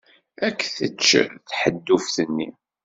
Ad k-tečč tḥedduft-nni.